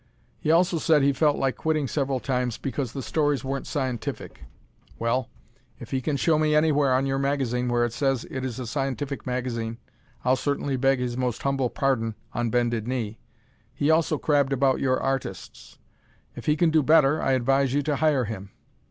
He also said he felt like quitting several times because the stories weren't scientific. Well, if he can show me anywhere on your magazine where it says it is a scientific magazine, I'll certainly beg his most humble pardon on bended knee. He also crabbed about your artists. If he can do better, I advise you to hire him.